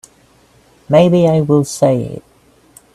Maybe I will say it.